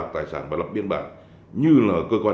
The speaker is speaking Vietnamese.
tài sản đi tẩu tán